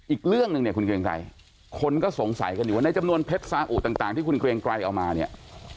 อีกเรื่องหนึ่งเนี่ยคุณเกรงไกรคนก็สงสัยกันอยู่ว่าในจำนวนเพชรสาอุต่างที่คุณเกรงไกรเอามาเนี่ย